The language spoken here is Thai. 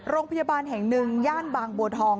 โรงพยาบาลแห่งหนึ่งย่านบางบัวทอง